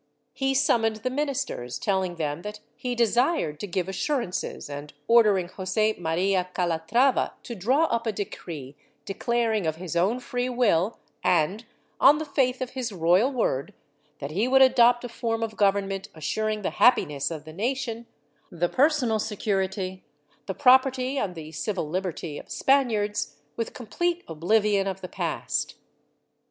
He summoned the ministers, telling them that he desired to give assurances and ordering Jose Maria Calatrava to draw up a decree declaring of his own free will and, on the faith of his royal word, that he would adopt a form of government assuring the happiness of the nation, the personal security, the property and the civil liberty of Spaniards, with complete oblivion of the past.